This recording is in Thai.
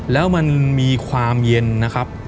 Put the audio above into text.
แล้วมันมีความเย็นนะครับ